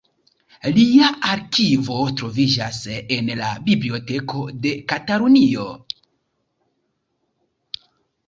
Lia arkivo troviĝas en la Biblioteko de Katalunio.